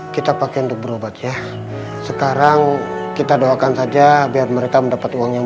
kita pakai untuk berobat ya sekarang kita doakan saja biar mereka mendapat uang yang